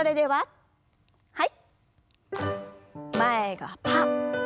はい。